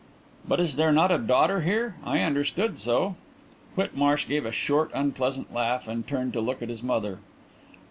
"But is there not a daughter here? I understood so." Whitmarsh gave a short, unpleasant laugh and turned to look at his mother.